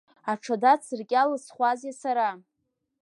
Аҽада цыркьы иалысхуазеи сара?